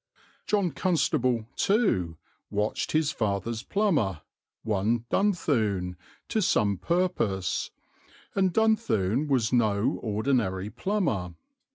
John Constable, too, watched his father's plumber, one Dunthune, to some purpose, and Dunthune was no ordinary plumber.